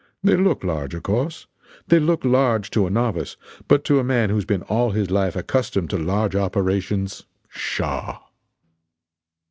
They look large of course they look large to a novice, but to a man who has been all his life accustomed to large operations shaw!